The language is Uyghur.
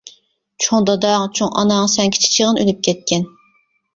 چوڭ داداڭ-چوڭ ئاناڭ سەن كىچىك چېغىڭدا ئۆلۈپ كەتكەن.